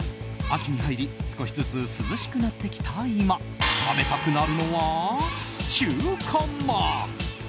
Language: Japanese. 秋に入り少しずつ涼しくなってきた今食べたいのは中華まん。